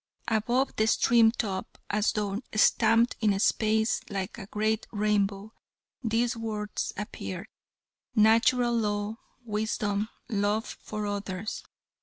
Above the extreme top, as though stamped in space like a great rainbow, these words appeared: Natural Law, Wisdom, Love for Others.